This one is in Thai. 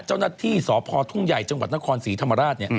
เจ้าหน้าที่สพทุ่งใหญ่จังหวัดนครศรีธรรมราช